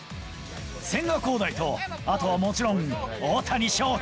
千賀滉大と、あとはもちろん大谷翔平。